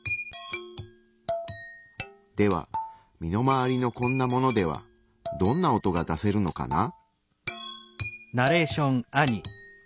では身の回りのこんなものではどんな音が出せるのかな？